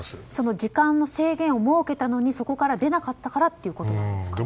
時間の制限を設けたのに出なかったからということですか。